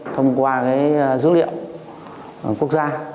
thông qua dữ liệu quốc gia